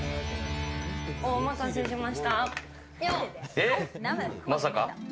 お待たせしました。